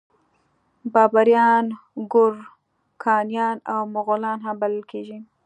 بابریان ګورکانیان او مغولان هم بلل کیږي.